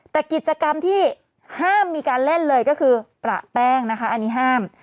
แต่กิจกรรมที่ห้ามมีการเล่นเลยก็คือประแป้งนะคะอันนี้ห้าม